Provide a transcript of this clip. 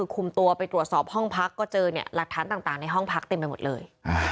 คุมตัวไปตรวจสอบห้องพักก็เจอเนี่ยหลักฐานต่างในห้องพักเต็มไปหมดเลย